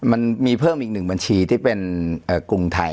มันมีเพิ่มอีกหนึ่งบัญชีที่เป็นกรุงไทย